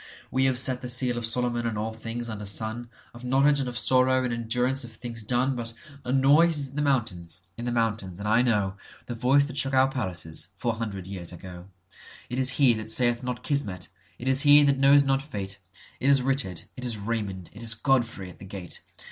We have set the seal of Solomon on all things under sun, Of knowledge and of sorrow and endurance of things done. But a noise is in the mountains, in the mountains, and I knowThe voice that shook our palaces—four hundred years ago:It is he that saith not 'Kismet'; it is he that knows not Fate; It is Richard, it is Raymond, it is Godfrey at the gate!